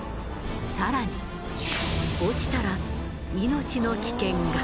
更に落ちたら命の危険が。